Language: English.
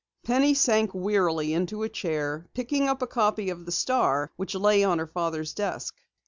Penny sank wearily into a chair, picking up a copy of the Star which lay on her father's desk.